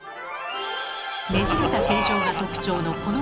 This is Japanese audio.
ねじれた形状が特徴のこのマンション。